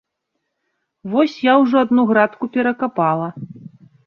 Вось я ўжо адну градку перакапала.